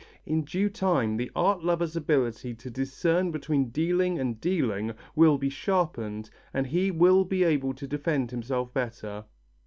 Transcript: In due time the art lover's ability to discern between dealing and dealing will be sharpened, and he will be able to defend himself better.